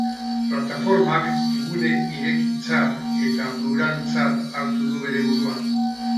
Plataformak gune irekitzat eta pluraltzat hartu du bere burua.